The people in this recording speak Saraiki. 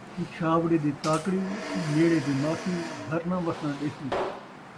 پچھاوڑے دی طاقڑی تے نیڑے دی ماسی گھر ناں وسݨ ݙیسی